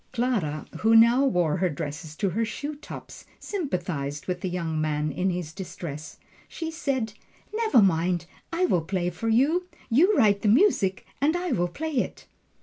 Clara, who now wore her dress to her shoe tops, sympathized with the young man in his distress. She said, "Never mind, I will play for you you write the music and I will play it!"